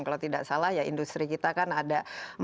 kalau tidak salah ya industri kita kan ada